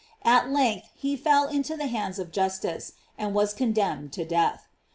213 length he fell into the hands of justice, and was condemned to death.